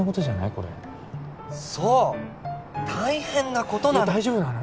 これそう大変なことな大丈夫なの？